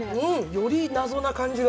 より謎の感じが。